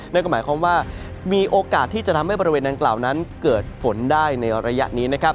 นั่นก็หมายความว่ามีโอกาสที่จะทำให้บริเวณดังกล่าวนั้นเกิดฝนได้ในระยะนี้นะครับ